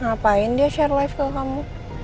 ngapain dia share live ke kamu